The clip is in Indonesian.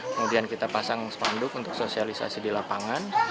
kemudian kita pasang spanduk untuk sosialisasi di lapangan